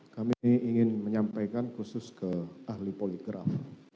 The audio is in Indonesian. kami ingin menyampaikan khusus ke ahli poligraf